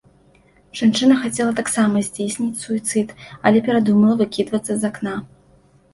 Жанчына хацела таксама здзейсніць суіцыд, але перадумала выкідвацца з акна.